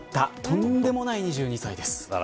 とんでもない２２歳です。